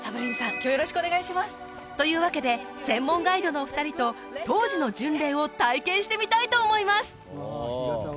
今日はよろしくお願いしますというわけで専門ガイドのお二人と当時の巡礼を体験してみたいと思います！